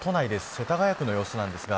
世田谷区の様子です。